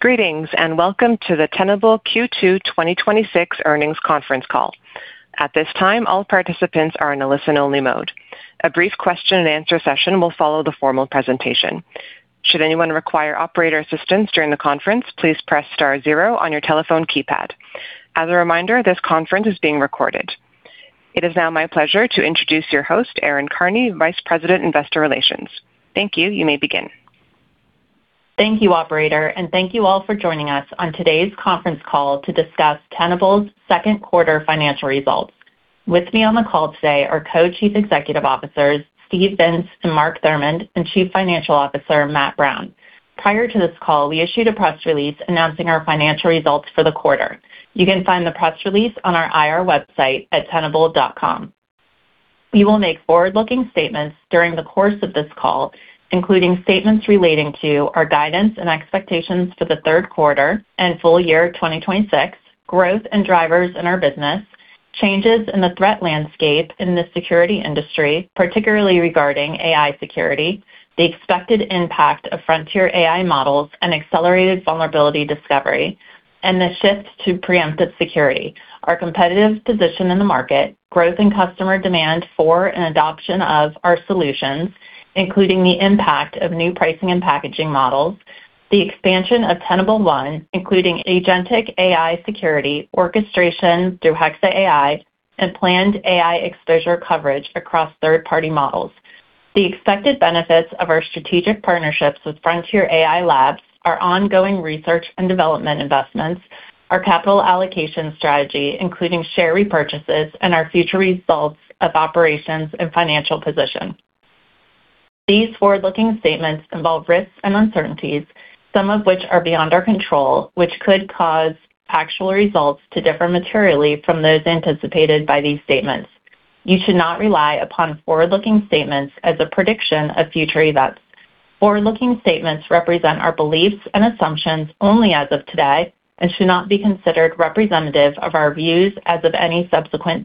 Greetings, welcome to the Tenable Q2 2026 earnings conference call. At this time, all participants are in a listen-only mode. A brief question-and-answer session will follow the formal presentation. Should anyone require operator assistance during the conference, please press star zero on your telephone keypad. As a reminder, this conference is being recorded. It is now my pleasure to introduce your host, Erin Karney, Vice President, Investor Relations. Thank you. You may begin. Thank you, Operator, thank you all for joining us on today's conference call to discuss Tenable's second quarter financial results. With me on the call today are Co-Chief Executive Officers Steve Vintz and Mark Thurmond, and Chief Financial Officer Matt Brown. Prior to this call, we issued a press release announcing our financial results for the quarter. You can find the press release on our IR website at tenable.com. We will make forward-looking statements during the course of this call, including statements relating to our guidance and expectations for the third quarter and full year 2026, growth and drivers in our business, changes in the threat landscape in the security industry, particularly regarding AI security, the expected impact of frontier AI models and accelerated vulnerability discovery, and the shift to preemptive security, our competitive position in the market, growth in customer demand for and adoption of our solutions, including the impact of new pricing and packaging models, the expansion of Tenable One, including agentic AI security, orchestration through Hexa AI, and planned AI exposure coverage across third-party models, the expected benefits of our strategic partnerships with frontier AI labs, our ongoing research and development investments, our capital allocation strategy, including share repurchases, and our future results of operations and financial position. These forward-looking statements involve risks and uncertainties, some of which are beyond our control, which could cause actual results to differ materially from those anticipated by these statements. You should not rely upon forward-looking statements as a prediction of future events. Forward-looking statements represent our beliefs and assumptions only as of today and should not be considered representative of our views as of any subsequent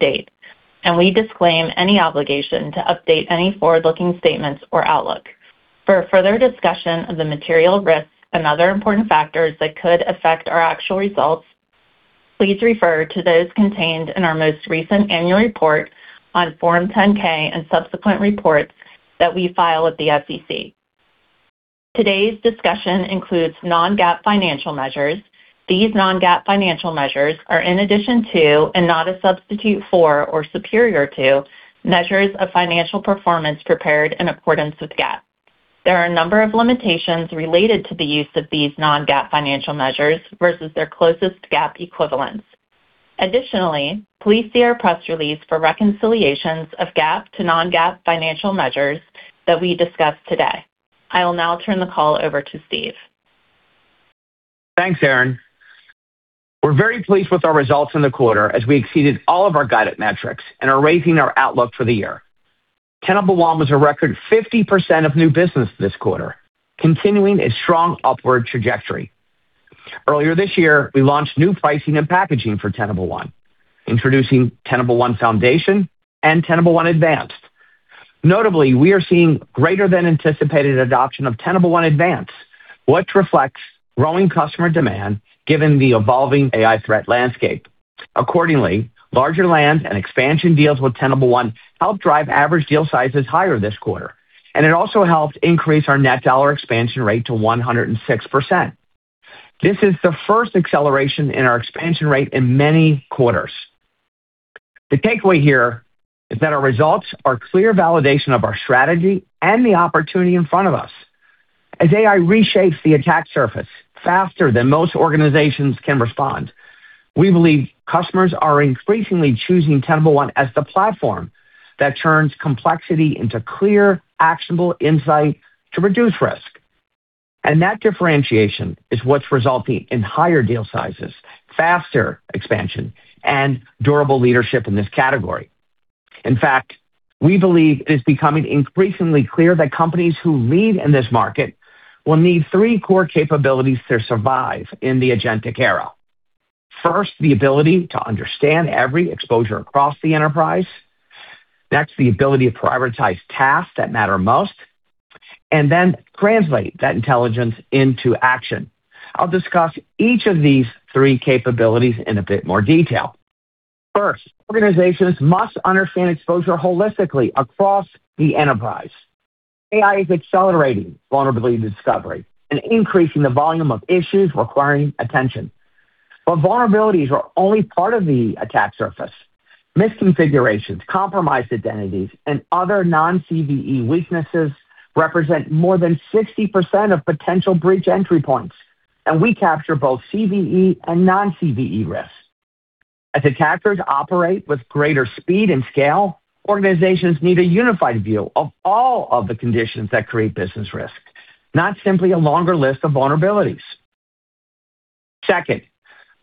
date. We disclaim any obligation to update any forward-looking statements or outlook. For a further discussion of the material risks and other important factors that could affect our actual results, please refer to those contained in our most recent annual report on Form 10-K and subsequent reports that we file with the SEC. Today's discussion includes non-GAAP financial measures. These non-GAAP financial measures are in addition to, and not a substitute for or superior to, measures of financial performance prepared in accordance with GAAP. There are a number of limitations related to the use of these non-GAAP financial measures versus their closest GAAP equivalents. Additionally, please see our press release for reconciliations of GAAP to non-GAAP financial measures that we discuss today. I will now turn the call over to Steve. Thanks, Erin. We're very pleased with our results in the quarter as we exceeded all of our guided metrics and are raising our outlook for the year. Tenable One was a record 50% of new business this quarter, continuing a strong upward trajectory. Earlier this year, we launched new pricing and packaging for Tenable One, introducing Tenable One Foundation and Tenable One Advanced. Notably, we are seeing greater than anticipated adoption of Tenable One Advanced, which reflects growing customer demand given the evolving AI threat landscape. Accordingly, larger lands and expansion deals with Tenable One helped drive average deal sizes higher this quarter, and it also helped increase our net dollar expansion rate to 106%. This is the first acceleration in our expansion rate in many quarters. The takeaway here is that our results are clear validation of our strategy and the opportunity in front of us. As AI reshapes the attack surface faster than most organizations can respond, we believe customers are increasingly choosing Tenable One as the platform that turns complexity into clear, actionable insight to reduce risk. That differentiation is what's resulting in higher deal sizes, faster expansion, and durable leadership in this category. In fact, we believe it is becoming increasingly clear that companies who lead in this market will need three core capabilities to survive in the agentic era. First, the ability to understand every exposure across the enterprise. Next, the ability to prioritize tasks that matter most, then translate that intelligence into action. I'll discuss each of these three capabilities in a bit more detail. First, organizations must understand exposure holistically across the enterprise. AI is accelerating vulnerability discovery and increasing the volume of issues requiring attention. Vulnerabilities are only part of the attack surface. Misconfigurations, compromised identities, and other non-CVE weaknesses represent more than 60% of potential breach entry points, and we capture both CVE and non-CVE risks. As attackers operate with greater speed and scale, organizations need a unified view of all of the conditions that create business risk, not simply a longer list of vulnerabilities. Second,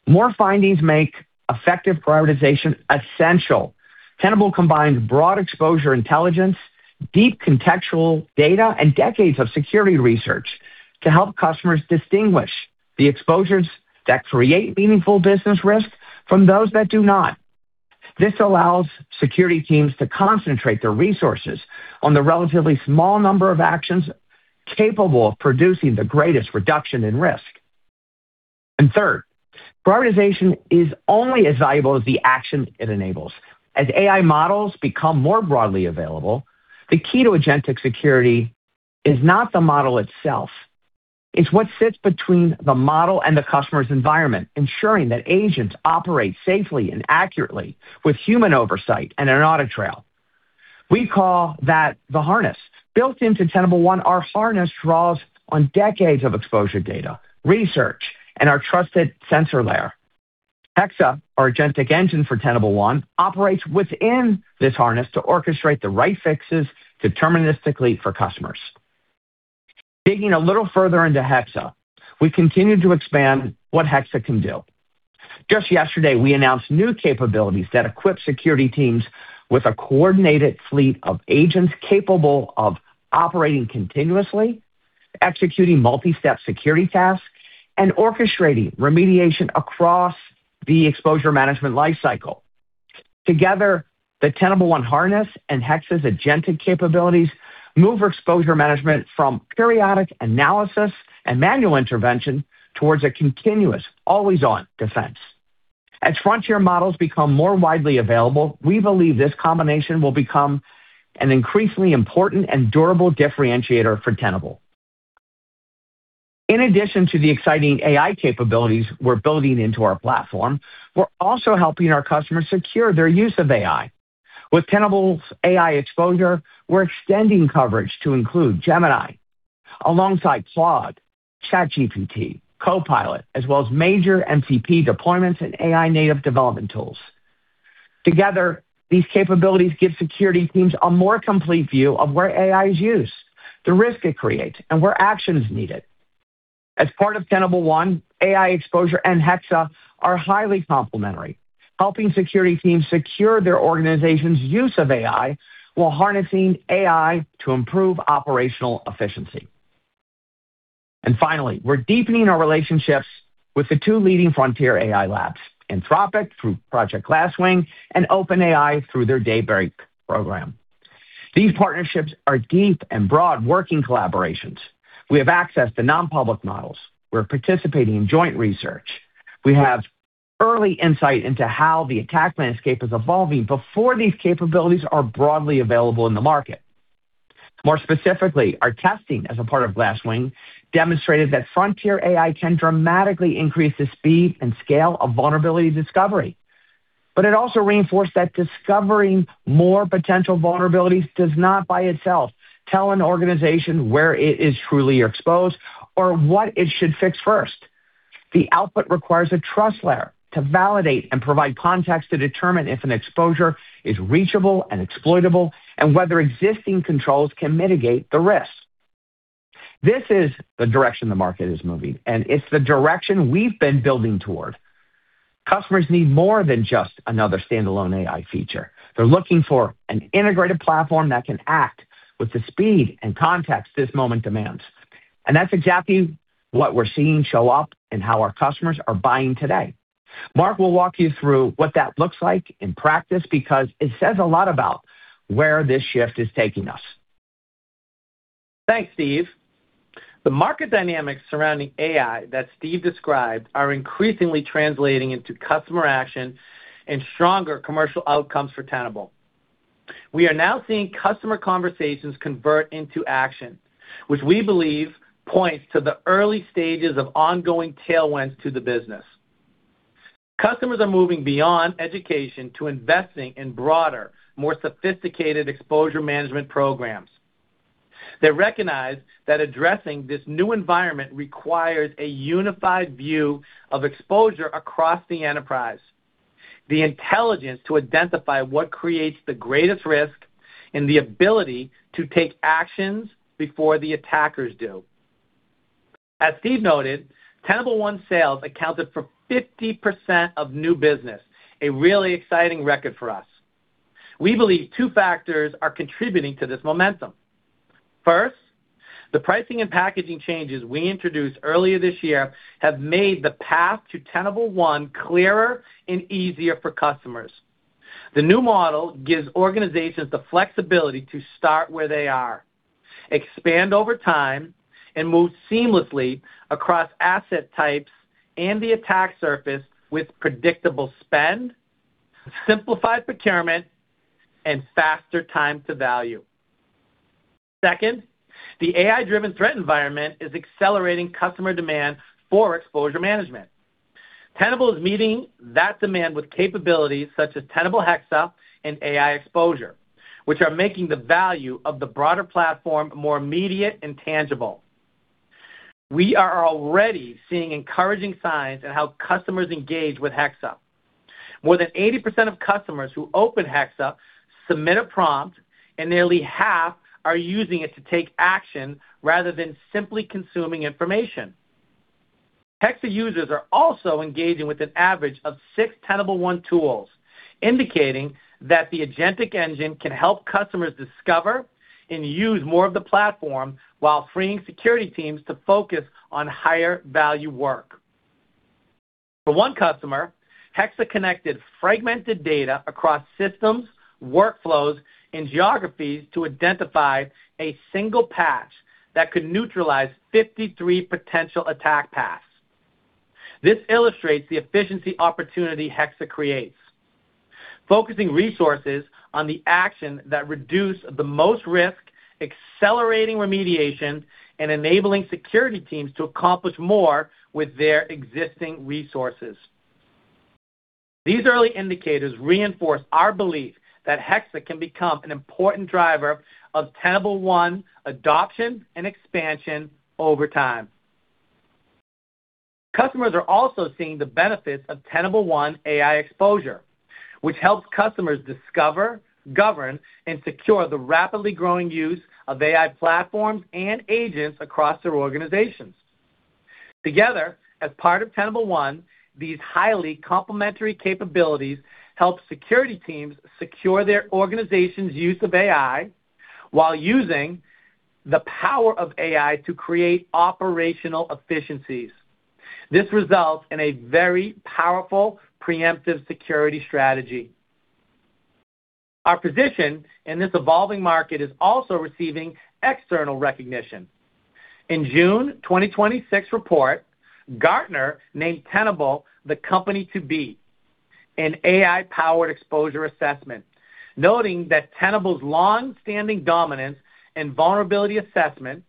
more findings make effective prioritization essential. Tenable combines broad exposure intelligence, deep contextual data, and decades of security research to help customers distinguish the exposures that create meaningful business risk from those that do not. This allows security teams to concentrate their resources on the relatively small number of actions capable of producing the greatest reduction in risk. Third, prioritization is only as valuable as the action it enables. As AI models become more broadly available, the key to agentic security is not the model itself. It's what sits between the model and the customer's environment, ensuring that agents operate safely and accurately with human oversight and an audit trail. We call that the harness. Built into Tenable One, our harness draws on decades of exposure data, research, and our trusted sensor layer. Hexa, our agentic engine for Tenable One, operates within this harness to orchestrate the right fixes deterministically for customers. Digging a little further into Hexa, we continue to expand what Hexa can do. Just yesterday, we announced new capabilities that equip security teams with a coordinated fleet of agents capable of operating continuously, executing multi-step security tasks, and orchestrating remediation across the exposure management lifecycle. Together, the Tenable One harness and Hexa's agentic capabilities move exposure management from periodic analysis and manual intervention towards a continuous always-on defense. As frontier models become more widely available, we believe this combination will become an increasingly important and durable differentiator for Tenable. In addition to the exciting AI capabilities we're building into our platform, we're also helping our customers secure their use of AI. With Tenable's AI Exposure, we're extending coverage to include Gemini alongside Claude, ChatGPT, Copilot, as well as major MCP deployments and AI-native development tools. Together, these capabilities give security teams a more complete view of where AI is used, the risk it creates, and where action is needed. As part of Tenable One, AI Exposure and Hexa are highly complementary, helping security teams secure their organization's use of AI while harnessing AI to improve operational efficiency. Finally, we're deepening our relationships with the two leading frontier AI labs, Anthropic through Project Glasswing and OpenAI through their Daybreak program. These partnerships are deep and broad working collaborations. We have access to non-public models. We're participating in joint research. We have early insight into how the attack landscape is evolving before these capabilities are broadly available in the market. More specifically, our testing as a part of Glasswing demonstrated that frontier AI can dramatically increase the speed and scale of vulnerability discovery. It also reinforced that discovering more potential vulnerabilities does not by itself tell an organization where it is truly exposed or what it should fix first. The output requires a trust layer to validate and provide context to determine if an exposure is reachable and exploitable, and whether existing controls can mitigate the risk. This is the direction the market is moving. It's the direction we've been building toward. Customers need more than just another standalone AI feature. They're looking for an integrated platform that can act with the speed and context this moment demands. That's exactly what we're seeing show up and how our customers are buying today. Mark will walk you through what that looks like in practice because it says a lot about where this shift is taking us. Thanks, Steve. The market dynamics surrounding AI that Steve described are increasingly translating into customer action and stronger commercial outcomes for Tenable. We are now seeing customer conversations convert into action, which we believe points to the early stages of ongoing tailwinds to the business. Customers are moving beyond education to investing in broader, more sophisticated exposure management programs. They recognize that addressing this new environment requires a unified view of exposure across the enterprise, the intelligence to identify what creates the greatest risk, and the ability to take actions before the attackers do. As Steve noted, Tenable One sales accounted for 50% of new business, a really exciting record for us. We believe two factors are contributing to this momentum. First, the pricing and packaging changes we introduced earlier this year have made the path to Tenable One clearer and easier for customers. The new model gives organizations the flexibility to start where they are, expand over time, and move seamlessly across asset types and the attack surface with predictable spend, simplified procurement, and faster time to value. Second, the AI-driven threat environment is accelerating customer demand for exposure management. Tenable is meeting that demand with capabilities such as Tenable Hexa and AI Exposure, which are making the value of the broader platform more immediate and tangible. We are already seeing encouraging signs in how customers engage with Hexa. More than 80% of customers who open Hexa submit a prompt, and nearly half are using it to take action rather than simply consuming information. Hexa users are also engaging with an average of six Tenable One tools, indicating that the agentic engine can help customers discover and use more of the platform while freeing security teams to focus on higher-value work. For one customer, Hexa connected fragmented data across systems, workflows, and geographies to identify a single patch that could neutralize 53 potential attack paths. This illustrates the efficiency opportunity Hexa creates, focusing resources on the action that reduce the most risk, accelerating remediation, and enabling security teams to accomplish more with their existing resources. These early indicators reinforce our belief that Hexa can become an important driver of Tenable One adoption and expansion over time. Customers are also seeing the benefits of Tenable One AI Exposure, which helps customers discover, govern, and secure the rapidly growing use of AI platforms and agents across their organizations. Together, as part of Tenable One, these highly complementary capabilities help security teams secure their organization's use of AI while using the power of AI to create operational efficiencies. This results in a very powerful preemptive security strategy. Our position in this evolving market is also receiving external recognition. In June 2026 report, Gartner named Tenable the company to beat in AI-powered exposure assessment, noting that Tenable's long-standing dominance and vulnerability assessment,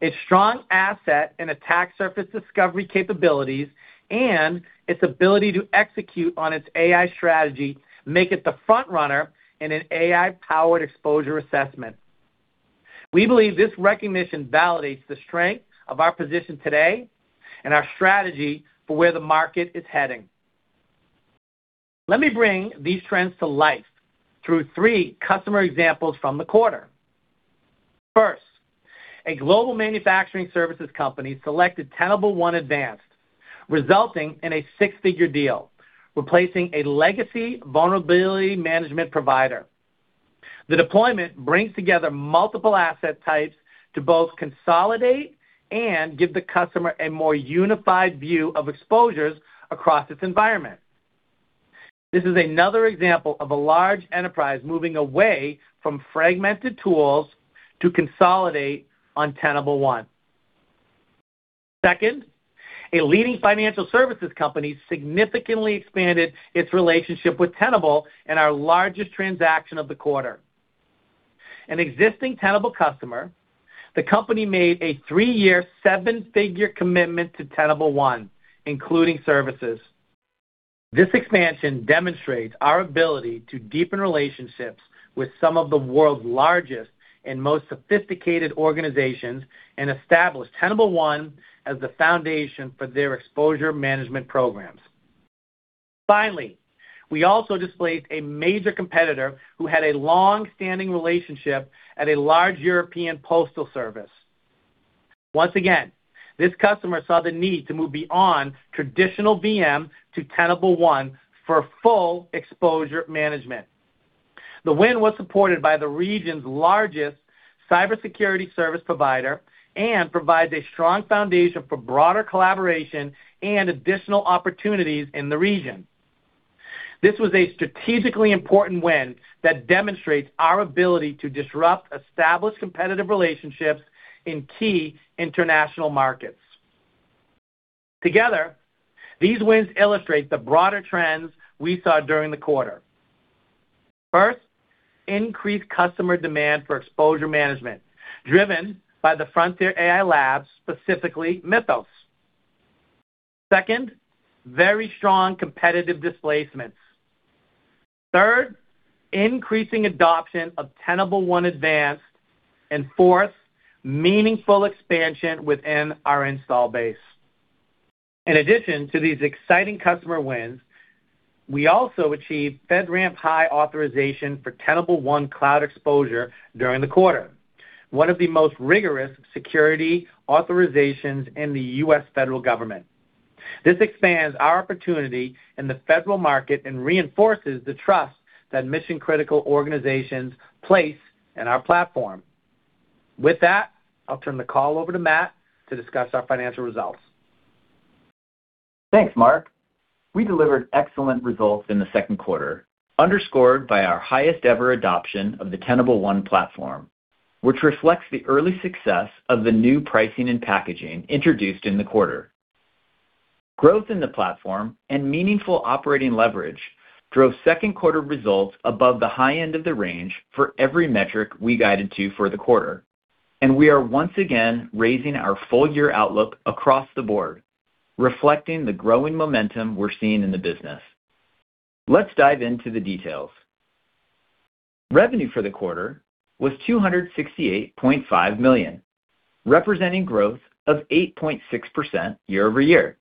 its strong asset and attack surface discovery capabilities, and its ability to execute on its AI strategy make it the front runner in an AI-powered exposure assessment. We believe this recognition validates the strength of our position today and our strategy for where the market is heading. Let me bring these trends to life through three customer examples from the quarter. First, a global manufacturing services company selected Tenable One Advanced, resulting in a six-figure deal, replacing a legacy vulnerability management provider. The deployment brings together multiple asset types to both consolidate and give the customer a more unified view of exposures across its environment. This is another example of a large enterprise moving away from fragmented tools to consolidate on Tenable One. Second, a leading financial services company significantly expanded its relationship with Tenable in our largest transaction of the quarter. An existing Tenable customer, the company made a three-year, seven-figure commitment to Tenable One, including services. This expansion demonstrates our ability to deepen relationships with some of the world's largest and most sophisticated organizations and establish Tenable One as the foundation for their exposure management programs. Finally, we also displaced a major competitor who had a long-standing relationship at a large European postal service. Once again, this customer saw the need to move beyond traditional VM to Tenable One for full exposure management. The win was supported by the region's largest cybersecurity service provider and provides a strong foundation for broader collaboration and additional opportunities in the region. This was a strategically important win that demonstrates our ability to disrupt established competitive relationships in key international markets. Together, these wins illustrate the broader trends we saw during the quarter. First, increased customer demand for exposure management driven by the frontier AI labs, specifically Mythos. Second, very strong competitive displacements. Third, increasing adoption of Tenable One Advanced. Fourth, meaningful expansion within our install base. In addition to these exciting customer wins, we also achieved FedRAMP High authorization for Tenable One Cloud Exposure during the quarter, one of the most rigorous security authorizations in the U.S. federal government. This expands our opportunity in the federal market and reinforces the trust that mission-critical organizations place in our platform. With that, I'll turn the call over to Matt to discuss our financial results. Thanks, Mark. We delivered excellent results in the second quarter, underscored by our highest-ever adoption of the Tenable One platform, which reflects the early success of the new pricing and packaging introduced in the quarter. Growth in the platform and meaningful operating leverage drove second quarter results above the high end of the range for every metric we guided to for the quarter. We are once again raising our full-year outlook across the board, reflecting the growing momentum we're seeing in the business. Let's dive into the details. Revenue for the quarter was $268.5 million, representing growth of 8.6% year-over-year.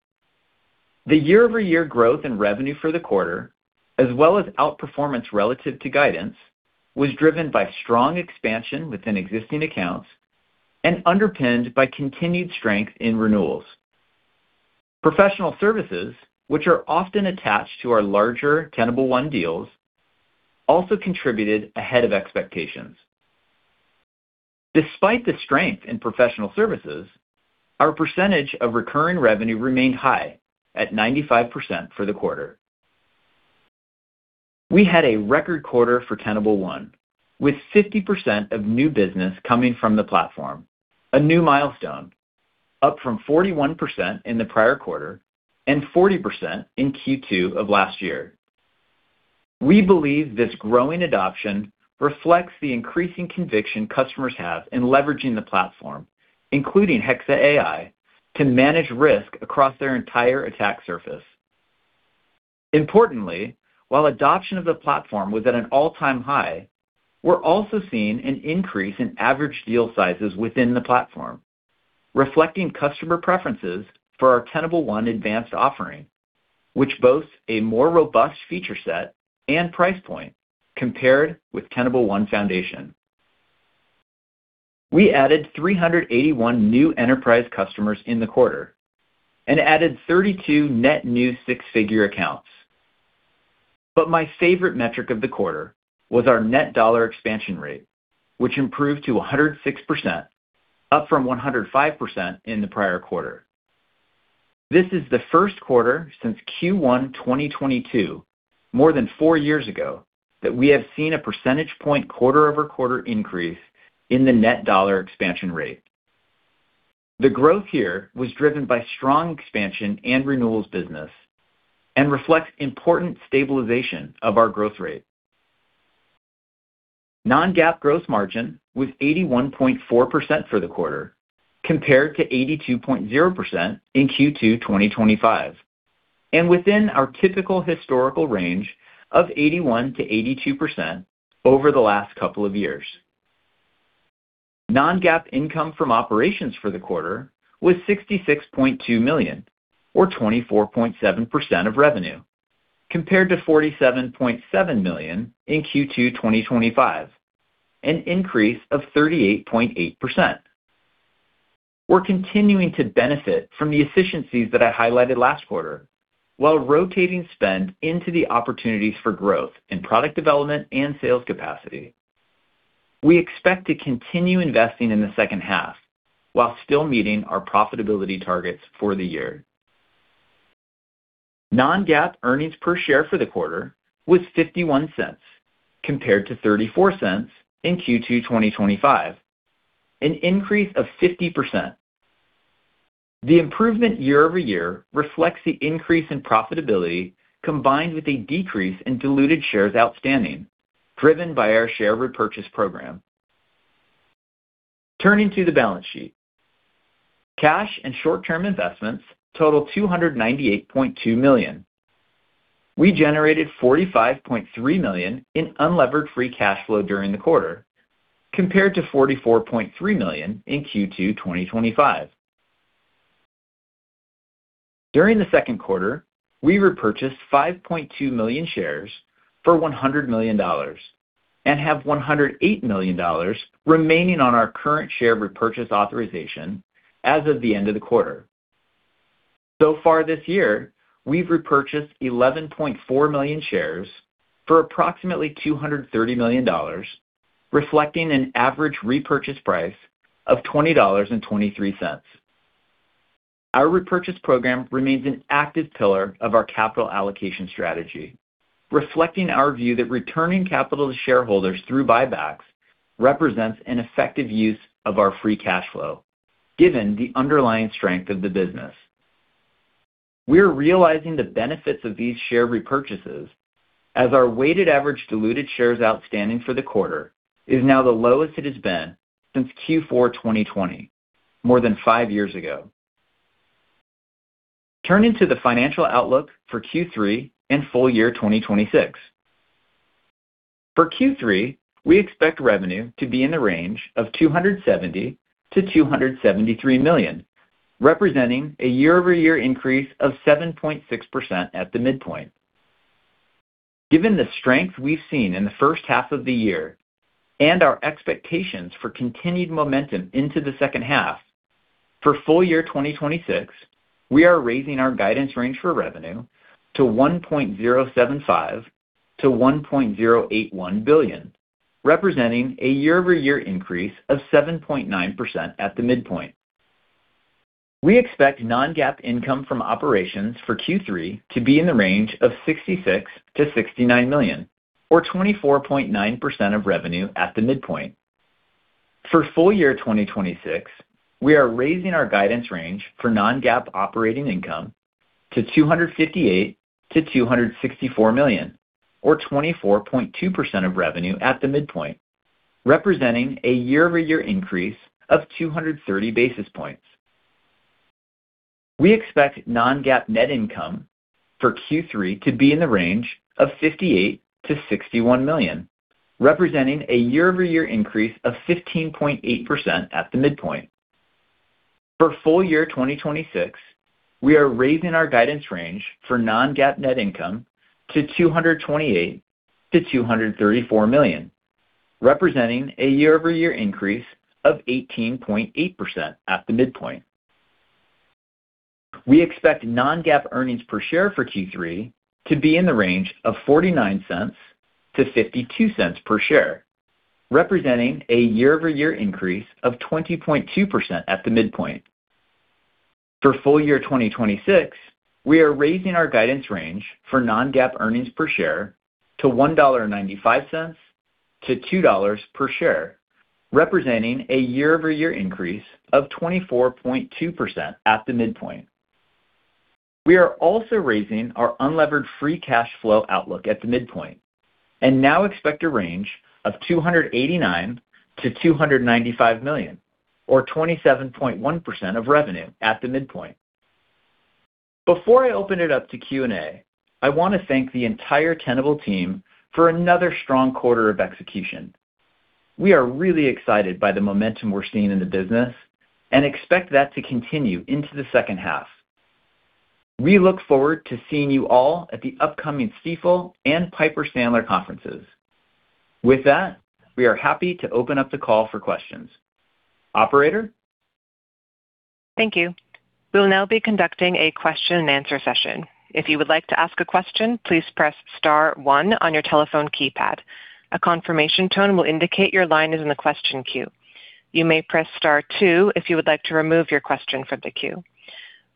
The year-over-year growth in revenue for the quarter, as well as outperformance relative to guidance, was driven by strong expansion within existing accounts and underpinned by continued strength in renewals. Professional services, which are often attached to our larger Tenable One deals, also contributed ahead of expectations. Despite the strength in professional services, our percentage of recurring revenue remained high at 95% for the quarter. We had a record quarter for Tenable One, with 50% of new business coming from the platform, a new milestone, up from 41% in the prior quarter and 40% in Q2 of last year. We believe this growing adoption reflects the increasing conviction customers have in leveraging the platform, including Hexa AI, to manage risk across their entire attack surface. Importantly, while adoption of the platform was at an all-time high, we're also seeing an increase in average deal sizes within the platform, reflecting customer preferences for our Tenable One Advanced offering, which boasts a more robust feature set and price point compared with Tenable One Foundation. We added 381 new enterprise customers in the quarter and added 32 net new six-figure accounts. My favorite metric of the quarter was our net dollar expansion rate, which improved to 106%, up from 105% in the prior quarter. This is the first quarter since Q1 2022, more than four years ago, that we have seen a percentage point quarter-over-quarter increase in the net dollar expansion rate. The growth here was driven by strong expansion and renewals business and reflects important stabilization of our growth rate. Non-GAAP gross margin was 81.4% for the quarter, compared to 82.0% in Q2 2025, and within our typical historical range of 81%-82% over the last couple of years. Non-GAAP income from operations for the quarter was $66.2 million, or 24.7% of revenue, compared to $47.7 million in Q2 2025, an increase of 38.8%. We're continuing to benefit from the efficiencies that I highlighted last quarter while rotating spend into the opportunities for growth in product development and sales capacity. We expect to continue investing in the second half while still meeting our profitability targets for the year. Non-GAAP earnings per share for the quarter was $0.51 compared to $0.34 in Q2 2025, an increase of 50%. The improvement year-over-year reflects the increase in profitability combined with a decrease in diluted shares outstanding, driven by our share repurchase program. Turning to the balance sheet. Cash and short-term investments total $298.2 million. We generated $45.3 million in unlevered free cash flow during the quarter, compared to $44.3 million in Q2 2025. During the second quarter, we repurchased 5.2 million shares for $100 million and have $108 million remaining on our current share repurchase authorization as of the end of the quarter. So far this year, we've repurchased 11.4 million shares for approximately $230 million, reflecting an average repurchase price of $20.23. Our repurchase program remains an active pillar of our capital allocation strategy, reflecting our view that returning capital to shareholders through buybacks represents an effective use of our free cash flow, given the underlying strength of the business. We're realizing the benefits of these share repurchases as our weighted average diluted shares outstanding for the quarter is now the lowest it has been since Q4 2020, more than five years ago. Turning to the financial outlook for Q3 and full year 2026. For Q3, we expect revenue to be in the range of $270 million-$273 million, representing a year-over-year increase of 7.6% at the midpoint. Given the strength we've seen in the first half of the year and our expectations for continued momentum into the second half, for full year 2026, we are raising our guidance range for revenue to $1.075 billion-$1.081 billion, representing a year-over-year increase of 7.9% at the midpoint. We expect non-GAAP income from operations for Q3 to be in the range of $66 million-$69 million or 24.9% of revenue at the midpoint. For full year 2026, we are raising our guidance range for non-GAAP operating income to $258 million-$264 million or 24.2% of revenue at the midpoint, representing a year-over-year increase of 230 basis points. We expect non-GAAP net income for Q3 to be in the range of $58 million-$61 million, representing a year-over-year increase of 15.8% at the midpoint. For full year 2026, we are raising our guidance range for non-GAAP net income to $228 million-$234 million, representing a year-over-year increase of 18.8% at the midpoint. We expect non-GAAP earnings per share for Q3 to be in the range of $0.49-$0.52 per share, representing a year-over-year increase of 20.2% at the midpoint. For full year 2026, we are raising our guidance range for non-GAAP earnings per share to $1.95-$2 per share, representing a year-over-year increase of 24.2% at the midpoint. We are also raising our unlevered free cash flow outlook at the midpoint, and now expect a range of $289 million-$295 million or 27.1% of revenue at the midpoint. Before I open it up to Q&A, I want to thank the entire Tenable team for another strong quarter of execution. We are really excited by the momentum we're seeing in the business and expect that to continue into the second half. We look forward to seeing you all at the upcoming Stifel and Piper Sandler conferences. We are happy to open up the call for questions. Operator? Thank you. We'll now be conducting a question-and-answer session. If you would like to ask a question, please press star one on your telephone keypad. A confirmation tone will indicate your line is in the question queue. You may press star two if you would like to remove your question from the queue.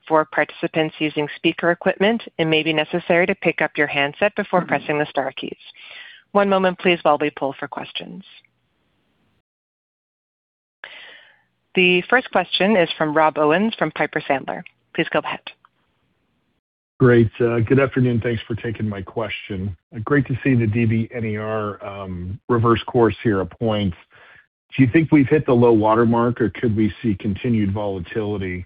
For participants using speaker equipment, it may be necessary to pick up your handset before pressing the star keys. One moment please while we pull for questions. The first question is from Rob Owens from Piper Sandler. Please go ahead. Great. Good afternoon. Thanks for taking my question. Great to see the DBNER reverse course here of points. Do you think we've hit the low water mark or could we see continued volatility?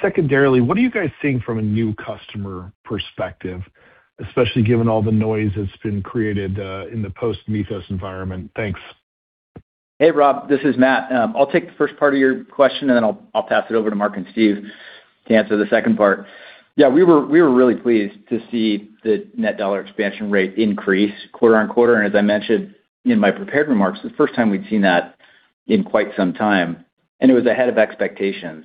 Secondarily, what are you guys seeing from a new customer perspective, especially given all the noise that's been created in the post-Mythos environment? Thanks. Hey, Rob. This is Matt. I'll take the first part of your question, then I'll pass it over to Mark and Steve to answer the second part. We were really pleased to see the net dollar expansion rate increase quarter-over-quarter. As I mentioned in my prepared remarks, the first time we'd seen that in quite some time, and it was ahead of expectations.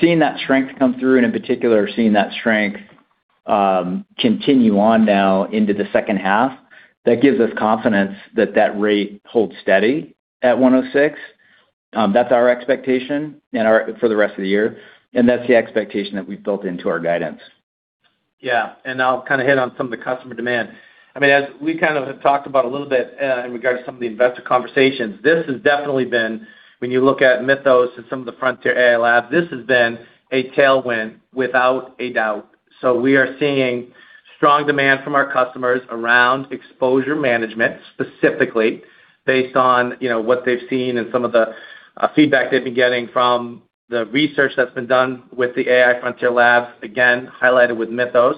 Seeing that strength come through and in particular, seeing that strength continue on now into the second half, that gives us confidence that that rate holds steady at 106%. That's our expectation for the rest of the year, and that's the expectation that we've built into our guidance. I'll hit on some of the customer demand. As we have talked about a little bit in regards to some of the investor conversations, this has definitely been, when you look at Mythos and some of the frontier AI labs, this has been a tailwind without a doubt. We are seeing strong demand from our customers around exposure management, specifically based on what they've seen and some of the feedback they've been getting from the research that's been done with the AI frontier lab, again, highlighted with Mythos.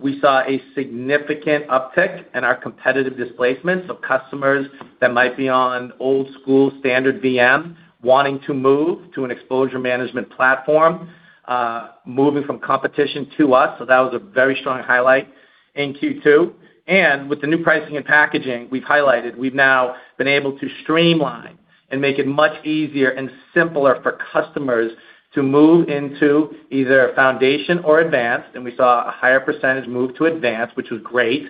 We saw a significant uptick in our competitive displacement of customers that might be on old school standard VM wanting to move to an exposure management platform, moving from competition to us. That was a very strong highlight in Q2. With the new pricing and packaging we've highlighted, we've now been able to streamline and make it much easier and simpler for customers to move into either Foundation or Advanced. We saw a higher percentage move to Advanced, which was great,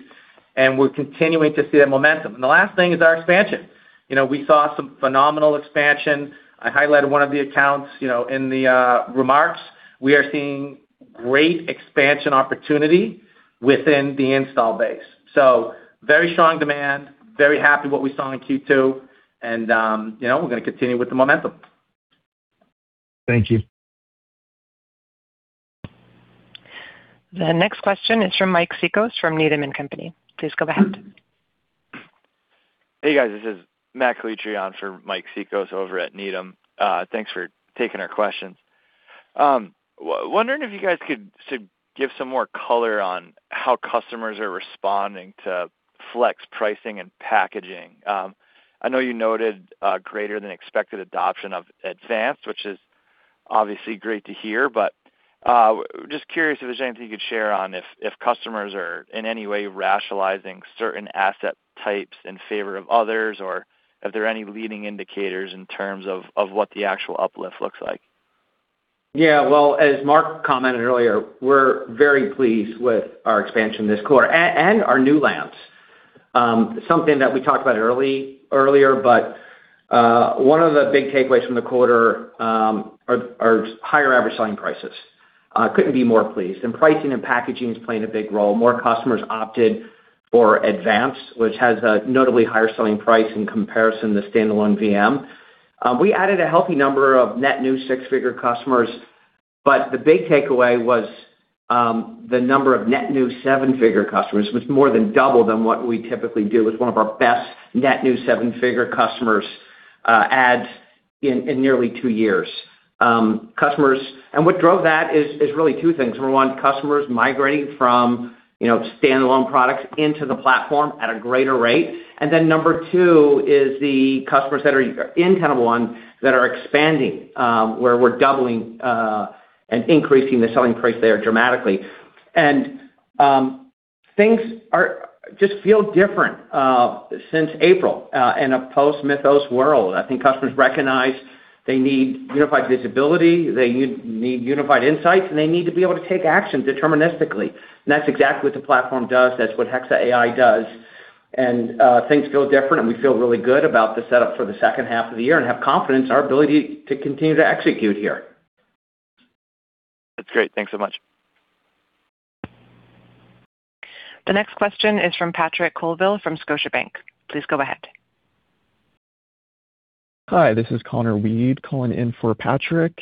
and we're continuing to see that momentum. The last thing is our expansion. We saw some phenomenal expansion. I highlighted one of the accounts in the remarks. We are seeing great expansion opportunity within the install base. Very strong demand, very happy what we saw in Q2, and we're going to continue with the momentum. Thank you. The next question is from Mike Cikos from Needham & Company. Please go ahead. Hey, guys. This is Matt Calitri on for Mike Cikos over at Needham. Thanks for taking our questions. Wondering if you guys could give some more color on how customers are responding to flex pricing and packaging. I know you noted greater than expected adoption of Advanced, which is obviously great to hear, but just curious if there's anything you could share on if customers are in any way rationalizing certain asset types in favor of others, or if there are any leading indicators in terms of what the actual uplift looks like. As Mark commented earlier, we're very pleased with our expansion this quarter and our new lands. Something that we talked about earlier, but one of the big takeaways from the quarter are higher average selling prices. Couldn't be more pleased, and pricing and packaging is playing a big role. More customers opted for Advanced, which has a notably higher selling price in comparison to standalone VM. We added a healthy number of net new six-figure customers, but the big takeaway was the number of net new seven-figure customers was more than double than what we typically do. It's one of our best net new seven-figure customers adds in nearly two years. What drove that is really two things. Number one, customers migrating from standalone products into the platform at a greater rate. Number two is the customers that are in Tenable One that are expanding, where we're doubling and increasing the selling price there dramatically. Things just feel different since April in a post-Mythos world. I think customers recognize they need unified visibility, they need unified insights, and they need to be able to take action deterministically, and that's exactly what the platform does. That's what Hexa AI does. Things feel different, and we feel really good about the setup for the second half of the year and have confidence in our ability to continue to execute here. That's great. Thanks so much. The next question is from Patrick Colville from Scotiabank. Please go ahead. Hi, this is Conner Weed calling in for Patrick.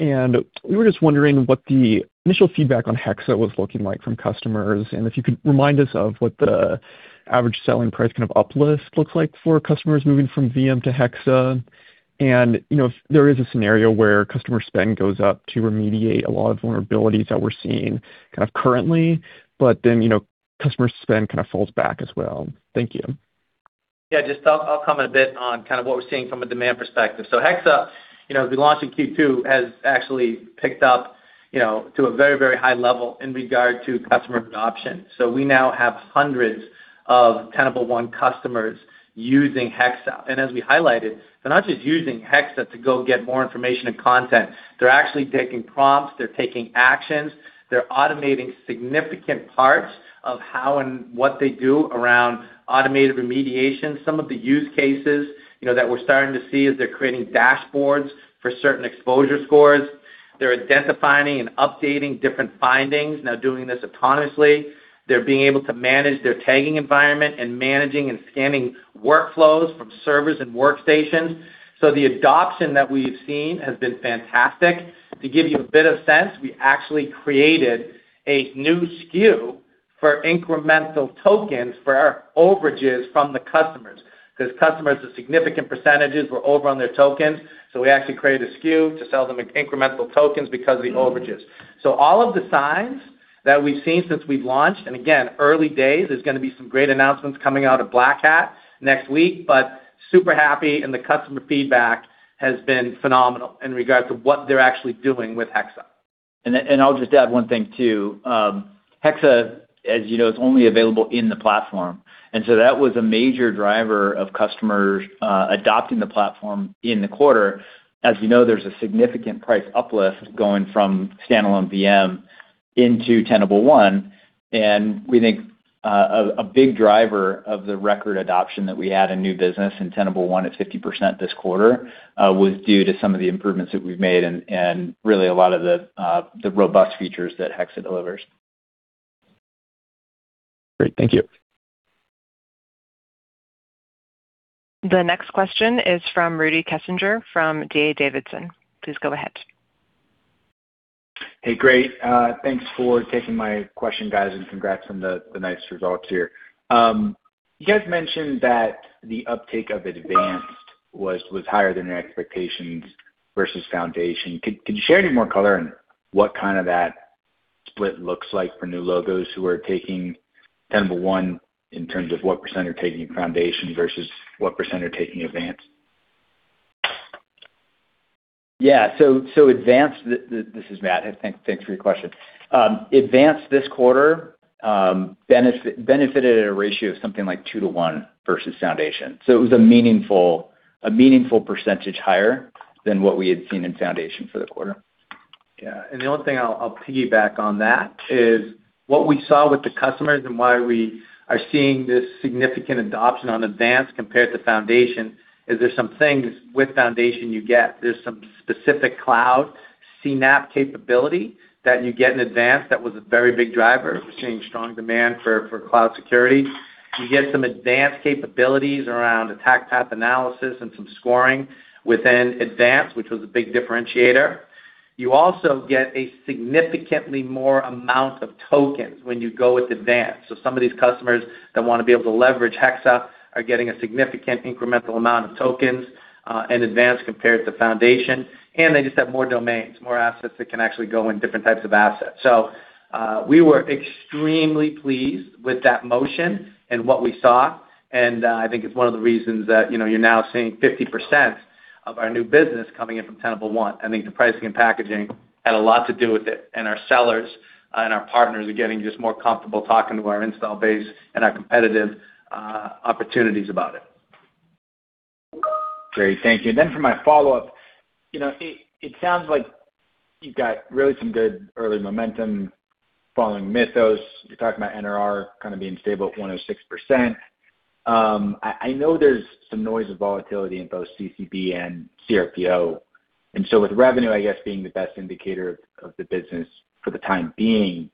We were just wondering what the initial feedback on Hexa was looking like from customers, and if you could remind us of what the average selling price kind of uplift looks like for customers moving from VM to Hexa. If there is a scenario where customer spend goes up to remediate a lot of vulnerabilities that we're seeing currently, but then customer spend kind of falls back as well. Thank you. I'll comment a bit on what we're seeing from a demand perspective. Hexa as we launched in Q2, has actually picked up to a very high level in regard to customer adoption. We now have hundreds of Tenable One customers using Hexa. As we highlighted, they're not just using Hexa to go get more information and content. They're actually taking prompts, they're taking actions, they're automating significant parts of how and what they do around automated remediation. Some of the use cases that we're starting to see is they're creating dashboards for certain exposure scores. They're identifying and updating different findings, now doing this autonomously. They're being able to manage their tagging environment and managing and scanning workflows from servers and workstations. The adoption that we've seen has been fantastic. To give you a bit of sense, we actually created a new SKU for incremental tokens for our overages from the customers, because customers with significant percentages were over on their tokens, we actually created a SKU to sell them incremental tokens because of the overages. All of the signs that we've seen since we've launched, and again, early days, there's going to be some great announcements coming out of Black Hat next week, but super happy, and the customer feedback has been phenomenal in regard to what they're actually doing with Hexa. I'll just add one thing, too. Hexa, as you know, is only available in the platform, and so that was a major driver of customers adopting the platform in the quarter. As you know, there's a significant price uplift going from standalone VM into Tenable One. We think a big driver of the record adoption that we had in new business in Tenable One at 50% this quarter was due to some of the improvements that we've made and really a lot of the robust features that Hexa delivers. Great. Thank you. The next question is from Rudy Kessinger from D.A. Davidson. Please go ahead. Hey, great. Thanks for taking my question, guys, and congrats on the nice results here. You guys mentioned that the uptake of Advanced was higher than your expectations versus Foundation. Can you share any more color on what that split looks like for new logos who are taking Tenable One in terms of what percentage are taking Foundation versus what percentage are taking Advanced? This is Matt. Thanks for your question. Advanced this quarter benefited at a ratio of something like 2:1 versus Foundation. It was a meaningful percentage higher than what we had seen in Foundation for the quarter. The only thing I'll piggyback on that is what we saw with the customers and why we are seeing this significant adoption on Advanced compared to Foundation is there's some things with Foundation you get. There's some specific cloud CNAPP capability that you get in Advanced that was a very big driver. We're seeing strong demand for cloud security. You get some advanced capabilities around attack path analysis and some scoring within Advanced, which was a big differentiator. You also get a significantly more amount of tokens when you go with Advanced. Some of these customers that want to be able to leverage Hexa are getting a significant incremental amount of tokens in Advanced compared to Foundation, and they just have more domains, more assets that can actually go in different types of assets. We were extremely pleased with that motion and what we saw, and I think it's one of the reasons that you're now seeing 50% of our new business coming in from Tenable One. I think the pricing and packaging had a lot to do with it, and our sellers and our partners are getting just more comfortable talking to our install base and our competitive opportunities about it. Great. Thank you. For my follow-up, it sounds like you've got really some good early momentum following Mythos. You talked about NDR kind of being stable at 106%. I know there's some noise and volatility in both CCB and CRPO, with revenue, I guess, being the best indicator of the business for the time being,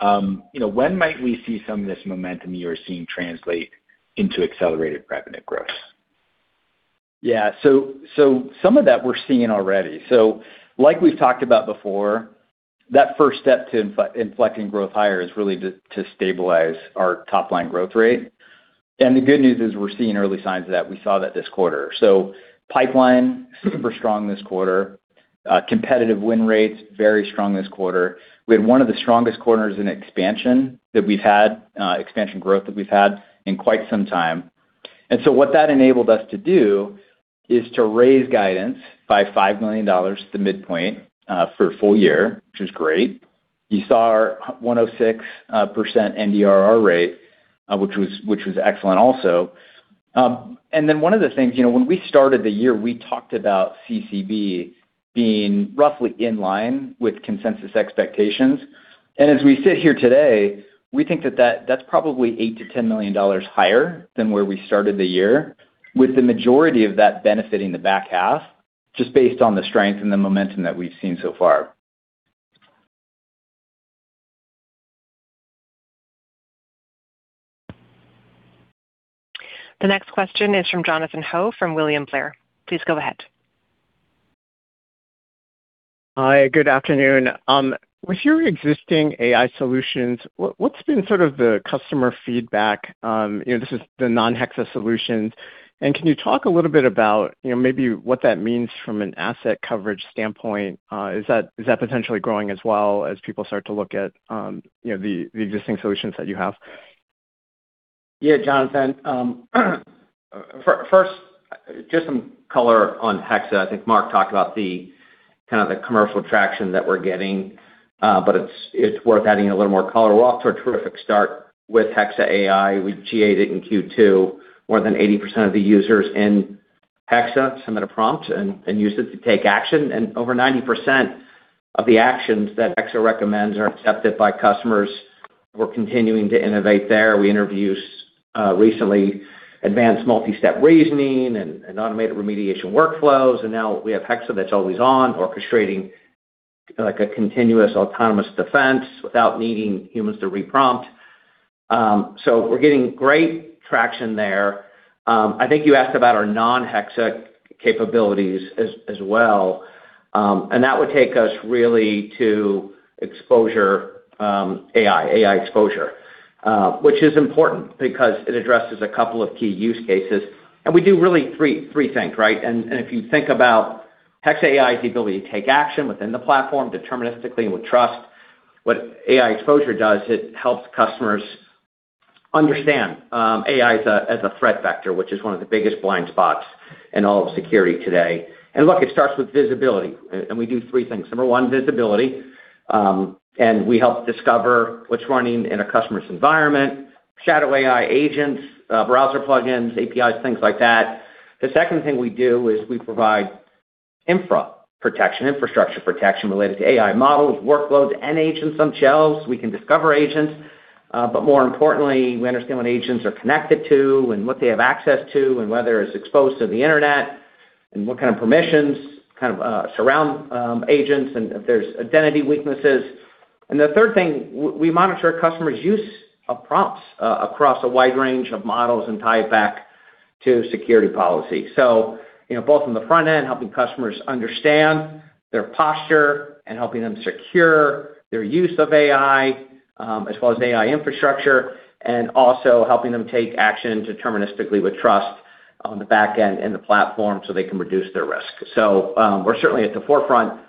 when might we see some of this momentum you're seeing translate into accelerated revenue growth? Some of that we're seeing already. Like we've talked about before, that first step to inflecting growth higher is really to stabilize our top-line growth rate, the good news is we're seeing early signs of that. We saw that this quarter. Pipeline, super strong this quarter. Competitive win rates, very strong this quarter. We had one of the strongest quarters in expansion growth that we've had in quite some time. What that enabled us to do is to raise guidance by $5 million to the midpoint for a full year, which is great. You saw our 106% NDR rate, which was excellent also. One of the things, when we started the year, we talked about CCB being roughly in line with consensus expectations. As we sit here today, we think that's probably $8 million-$10 million higher than where we started the year, with the majority of that benefiting the back half, just based on the strength and the momentum that we've seen so far. The next question is from Jonathan Ho from William Blair. Please go ahead. Hi, good afternoon. With your existing AI solutions, what's been sort of the customer feedback? This is the non-Hexa solutions. Can you talk a little bit about maybe what that means from an asset coverage standpoint? Is that potentially growing as well as people start to look at the existing solutions that you have? Jonathan, first, just some color on Hexa. I think Mark talked about the commercial traction that we're getting, it's worth adding a little more color. We're off to a terrific start with Hexa AI. We GA'd it in Q2. More than 80% of the users in Hexa submit a prompt and use it to take action, over 90% of the actions that Hexa recommends are accepted by customers. We're continuing to innovate there. We introduced recently advanced multi-step reasoning and automated remediation workflows. Now, we have Hexa that's always on, orchestrating a continuous autonomous defense without needing humans to re-prompt. We're getting great traction there. I think you asked about our non-Hexa capabilities as well. That would take us really to AI Exposure, which is important because it addresses a couple of key use cases. We do really three things. If you think about Hexa AI's ability to take action within the platform deterministically and with trust, what AI Exposure does, it helps customers understand AI as a threat vector, which is one of the biggest blind spots in all of security today. Look, it starts with visibility, we do three things. Number one, visibility, we help discover what's running in a customer's environment, shadow AI agents, browser plugins, APIs, things like that. The second thing we do is we provide infrastructure protection related to AI models, workloads, and agents on shelves. We can discover agents, more importantly, we understand what agents are connected to and what they have access to, and whether it's exposed to the internet and what kind of permissions kind of surround agents and if there's identity weaknesses. The third thing, we monitor our customers' use of prompts across a wide range of models and tie it back to security policy. Both on the front end, helping customers understand their posture and helping them secure their use of AI, as well as AI infrastructure, also helping them take action deterministically with trust on the back end in the platform so they can reduce their risk. We're certainly at the forefront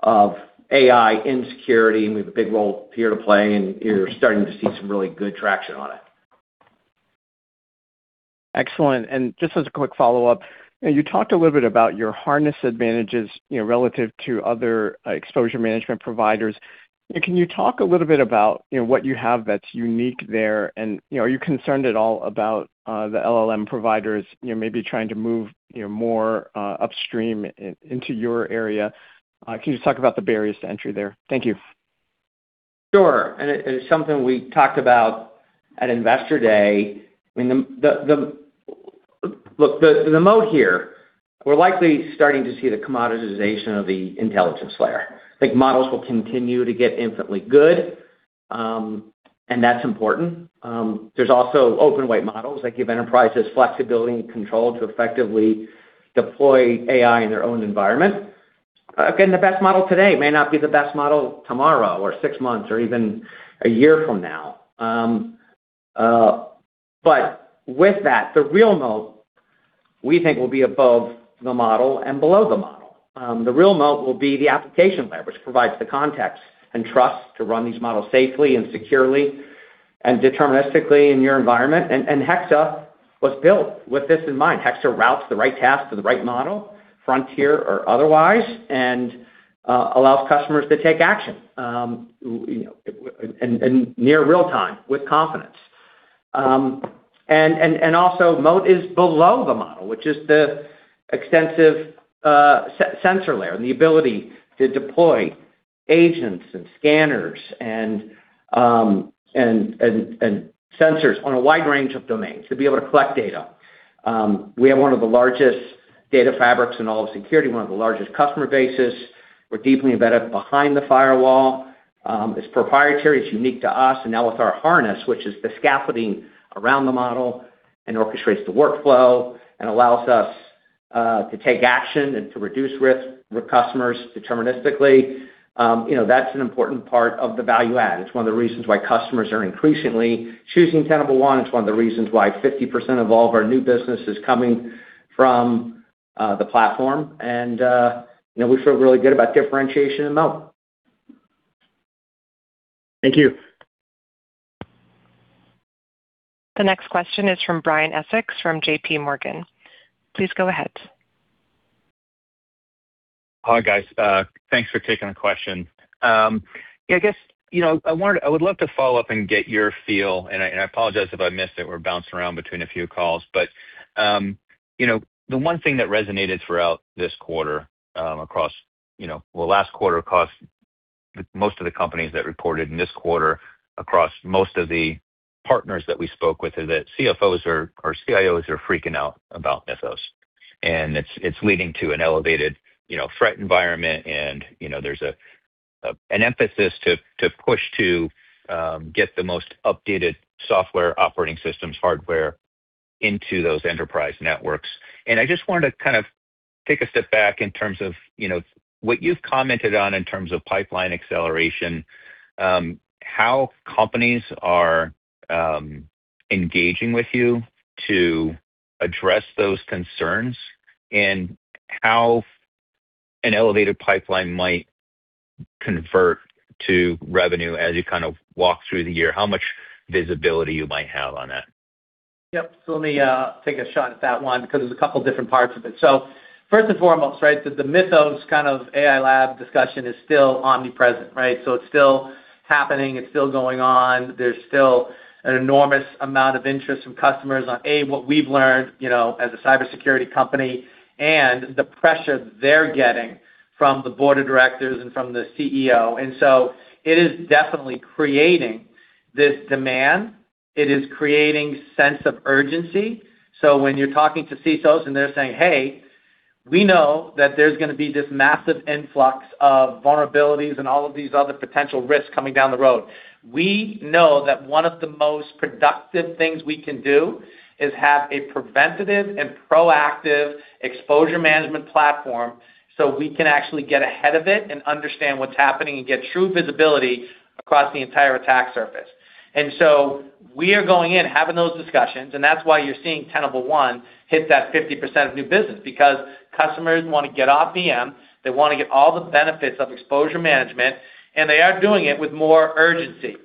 of AI in security, we have a big role here to play, you're starting to see some really good traction on it. Excellent. Just as a quick follow-up, you talked a little bit about your harness advantages relative to other exposure management providers. Can you talk a little bit about what you have that's unique there? Are you concerned at all about the LLM providers maybe trying to move more upstream into your area? Can you just talk about the barriers to entry there? Thank you. Sure. It is something we talked about at Investor Day. Look, the moat here, we're likely starting to see the commoditization of the intelligence layer. I think models will continue to get infinitely good, and that's important. There's also open-weight models that give enterprises flexibility and control to effectively deploy AI in their own environment. Again, the best model today may not be the best model tomorrow, or six months, or even a year from now. With that, the real moat we think will be above the model and below the model. The real moat will be the application layer, which provides the context and trust to run these models safely and securely and deterministically in your environment. Hexa was built with this in mind. Hexa routes the right task to the right model, frontier or otherwise, and allows customers to take action in near real time with confidence. Also moat is below the model, which is the extensive sensor layer and the ability to deploy agents and scanners and sensors on a wide range of domains to be able to collect data. We have one of the largest data fabrics in all of security, one of the largest customer bases. We're deeply embedded behind the firewall. It's proprietary, it's unique to us, and now with our harness, which is the scaffolding around the model and orchestrates the workflow and allows us to take action and to reduce risk with customers deterministically, that's an important part of the value add. It's one of the reasons why customers are increasingly choosing Tenable One. It's one of the reasons why 50% of all of our new business is coming from the platform. We feel really good about differentiation and moat. Thank you. The next question is from Brian Essex from JPMorgan. Please go ahead. Hi, guys. Thanks for taking the question. I guess, I would love to follow up and get your feel, and I apologize if I missed it. We're bouncing around between a few calls, but the one thing that resonated throughout last quarter across most of the companies that reported in this quarter, across most of the partners that we spoke with, is that CFOs or CIOs are freaking out about Mythos. It's leading to an elevated threat environment and there's an emphasis to push to get the most updated software operating systems hardware into those enterprise networks. I just wanted to take a step back in terms of what you've commented on in terms of pipeline acceleration, how companies are engaging with you to address those concerns, and how an elevated pipeline might convert to revenue as you walk through the year. How much visibility you might have on that? Let me take a shot at that one because there's a couple of different parts of it. First and foremost, the Mythos AI lab discussion is still omnipresent. It's still happening. It's still going on. There's still an enormous amount of interest from customers on what we've learned as a cybersecurity company and the pressure they're getting from the board of directors and from the CEO. It is definitely creating this demand. It is creating sense of urgency. When you're talking to CISOs and they're saying, hey, we know that there's going to be this massive influx of vulnerabilities and all of these other potential risks coming down the road. We know that one of the most productive things we can do is have a preventative and proactive exposure management platform so we can actually get ahead of it and understand what's happening and get true visibility across the entire attack surface. We are going in, having those discussions, and that's why you're seeing Tenable One hit that 50% of new business because customers want to get off VM, they want to get all the benefits of exposure management, and they are doing it with more urgency.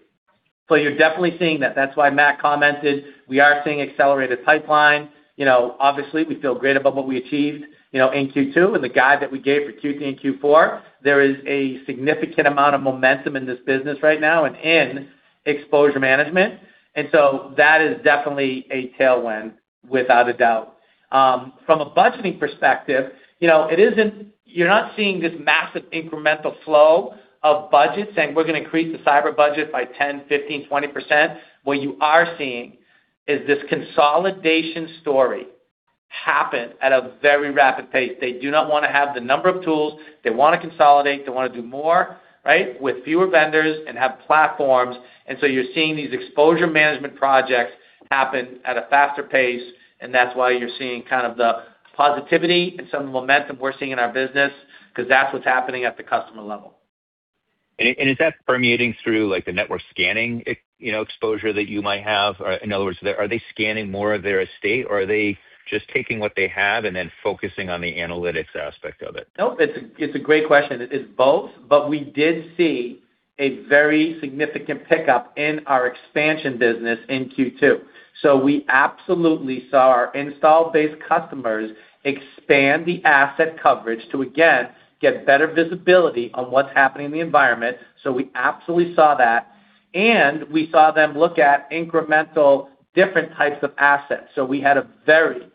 You're definitely seeing that. That's why Matt commented, we are seeing accelerated pipeline. Obviously, we feel great about what we achieved in Q2 and the guide that we gave for Q3 and Q4. There is a significant amount of momentum in this business right now and in exposure management. That is definitely a tailwind, without a doubt. From a budgeting perspective, you're not seeing this massive incremental flow of budgets saying, we're going to increase the cyber budget by 10%, 15%, 20%. What you are seeing is this consolidation story happen at a very rapid pace. They do not want to have the number of tools. They want to consolidate. They want to do more, with fewer vendors and have platforms. You're seeing these exposure management projects happen at a faster pace, and that's why you're seeing the positivity and some of the momentum we're seeing in our business, because that's what's happening at the customer level. Is that permeating through the network scanning exposure that you might have? In other words, are they scanning more of their estate, or are they just taking what they have and then focusing on the analytics aspect of it? It's a great question. It's both. We did see a very significant pickup in our expansion business in Q2. We absolutely saw our installed base customers expand the asset coverage to, again, get better visibility on what's happening in the environment. We absolutely saw that. We saw them look at incremental different types of assets. We had a very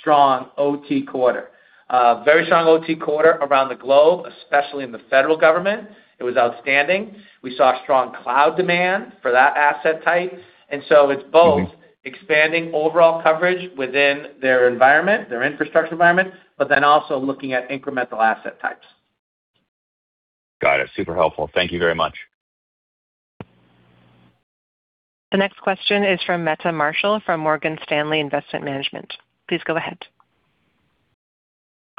strong OT quarter. A very strong OT quarter around the globe, especially in the federal government. It was outstanding. We saw strong cloud demand for that asset type. It's both expanding overall coverage within their environment, their infrastructure environment, but then also looking at incremental asset types. Got it. Super helpful. Thank you very much. The next question is from Meta Marshall from Morgan Stanley Investment Management. Please go ahead.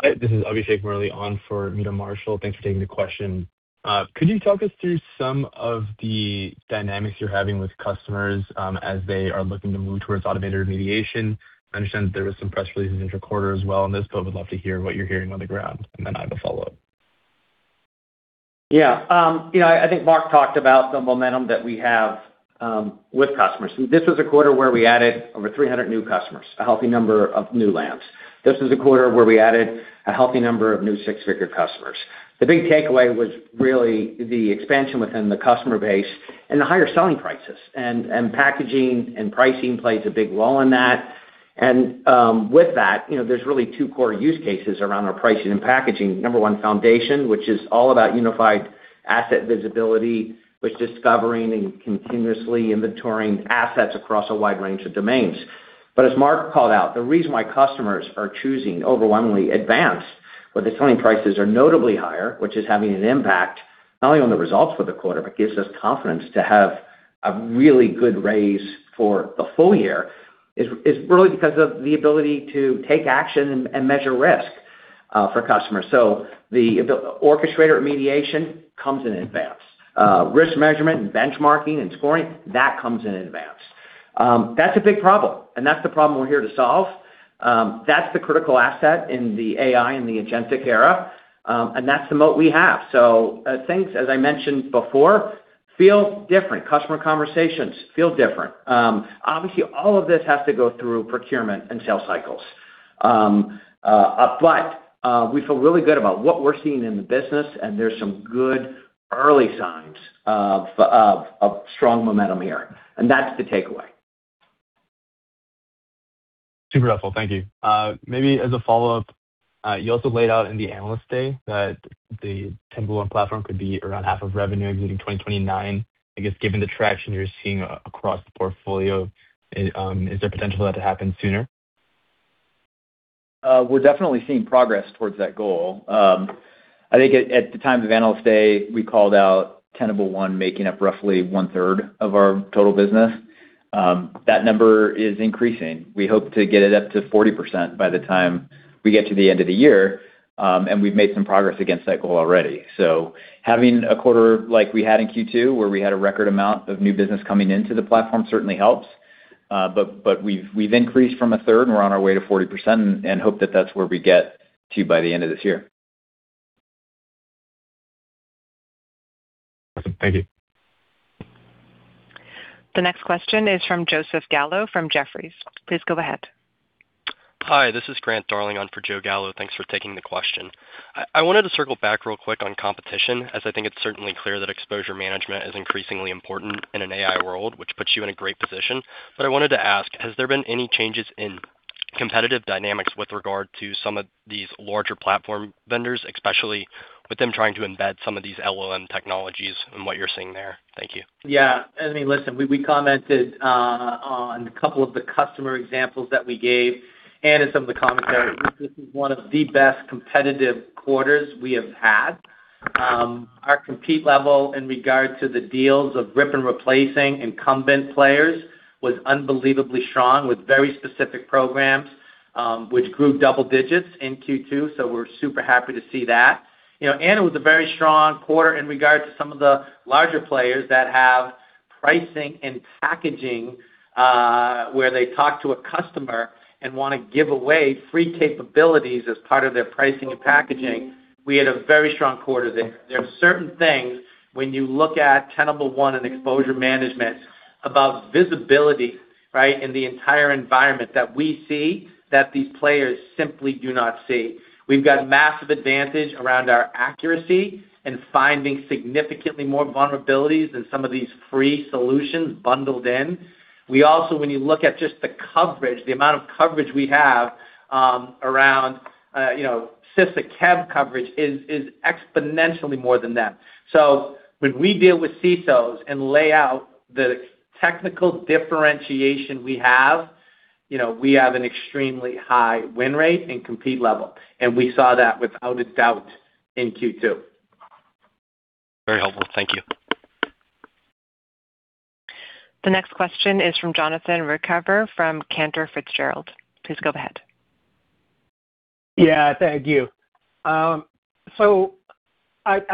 Hi, this is Abhishek Murli on for Meta Marshall. Thanks for taking the question. Could you talk us through some of the dynamics you're having with customers as they are looking to move towards automated remediation? I understand that there was some press releases inter-quarter as well on this. Would love to hear what you're hearing on the ground. I have a follow-up. I think Mark talked about the momentum that we have with customers. This was a quarter where we added over 300 new customers, a healthy number of new lands. This was a quarter where we added a healthy number of new six-figure customers. The big takeaway was really the expansion within the customer base and the higher selling prices. Packaging and pricing plays a big role in that. With that, there's really two core use cases around our pricing and packaging. Number one, Foundation, which is all about unified asset visibility, which discovering and continuously inventorying assets across a wide range of domains. As Mark called out, the reason why customers are choosing overwhelmingly Advanced, where the selling prices are notably higher, which is having an impact not only on the results for the quarter, but gives us confidence to have a really good raise for the full year, is really because of the ability to take action and measure risk for customers. The orchestrator remediation comes in Advanced. Risk measurement and benchmarking and scoring, that comes in Advanced. That's a big problem, and that's the problem we're here to solve. That's the critical asset in the AI and the agentic era, and that's the moat we have. Things, as I mentioned before, feel different. Customer conversations feel different. Obviously, all of this has to go through procurement and sales cycles. We feel really good about what we're seeing in the business, and there's some good early signs of strong momentum here, and that's the takeaway. Super helpful. Thank you. Maybe as a follow-up, you also laid out in the Analyst Day that the Tenable One platform could be around half of revenue exiting 2029. I guess, given the traction you're seeing across the portfolio, is there potential for that to happen sooner? We're definitely seeing progress towards that goal. At the time of Analyst Day, we called out Tenable One making up roughly one-third of our total business. That number is increasing. We hope to get it up to 40% by the time we get to the end of the year, and we've made some progress against that goal already. Having a quarter like we had in Q2, where we had a record amount of new business coming into the platform, certainly helps. We've increased from a third, and we're on our way to 40% and hope that that's where we get to by the end of this year. Awesome. Thank you. The next question is from Joseph Gallo from Jefferies. Please go ahead. Hi, this is Grant Darling on for Joe Gallo. Thanks for taking the question. I wanted to circle back real quick on competition, as I think it's certainly clear that exposure management is increasingly important in an AI world, which puts you in a great position. I wanted to ask, has there been any changes in competitive dynamics with regard to some of these larger platform vendors, especially with them trying to embed some of these LLM technologies and what you're seeing there? Thank you. I mean, listen, we commented on a couple of the customer examples that we gave and in some of the commentary. This is one of the best competitive quarters we have had. Our compete level in regard to the deals of rip and replacing incumbent players was unbelievably strong with very specific programs, which grew double-digits in Q2, so we're super happy to see that. It was a very strong quarter in regard to some of the larger players that have pricing and packaging, where they talk to a customer and want to give away free capabilities as part of their pricing and packaging. We had a very strong quarter there. There are certain things when you look at Tenable One and exposure management about visibility in the entire environment that we see that these players simply do not see. We've got massive advantage around our accuracy and finding significantly more vulnerabilities than some of these free solutions bundled in. We also, when you look at just the coverage, the amount of coverage we have around CISA KEV coverage is exponentially more than them. When we deal with CISOs and lay out the technical differentiation we have, we have an extremely high win rate and compete level, and we saw that without a doubt in Q2. Very helpful. Thank you. The next question is from Jonathan Ruykhaver from Cantor Fitzgerald. Please go ahead. Thank you. I'd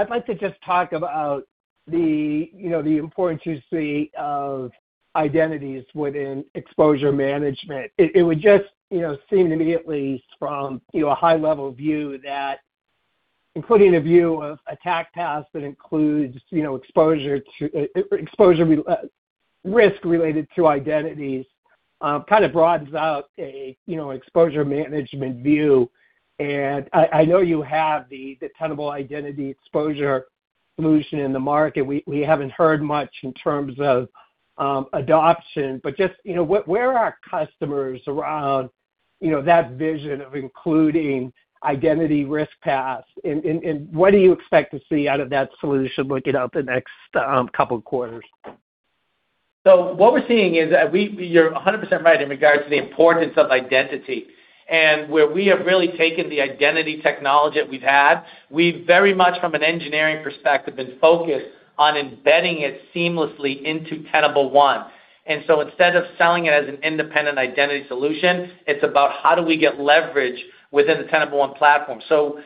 like to just talk about the importance you see of identities within exposure management. It would just seem immediately from a high-level view that including a view of attack paths that includes risk related to identities broadens out a exposure management view. I know you have the Tenable Identity Exposure solution in the market. We haven't heard much in terms of adoption, but just where are customers around that vision of including identity risk paths, and what do you expect to see out of that solution looking out the next couple of quarters? What we're seeing is that you're 100% right in regards to the importance of identity. Where we have really taken the identity technology that we've had, we very much, from an engineering perspective, been focused on embedding it seamlessly into Tenable One. Instead of selling it as an independent identity solution, it's about how do we get leverage within the Tenable One platform.